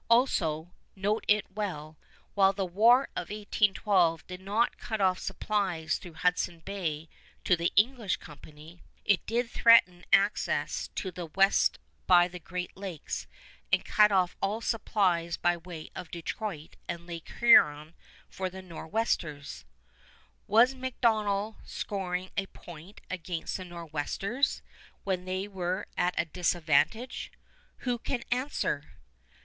Also, note it well, while the War of 1812 did not cut off supplies through Hudson Bay to the English Company, it did threaten access to the West by the Great Lakes, and cut off all supplies by way of Detroit and Lake Huron for the Nor'westers. Was MacDonell scoring a point against the Nor'westers, when they were at a disadvantage? Who can answer?